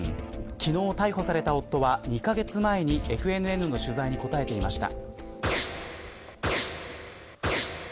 昨日、逮捕された夫は２カ月前にＦＮＮの取材に答えていました。